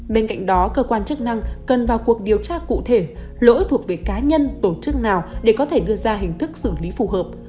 bên cạnh đó cơ quan chức năng cần vào cuộc điều tra cụ thể lỗi thuộc về cá nhân tổ chức nào để có thể đưa ra hình thức xử lý phù hợp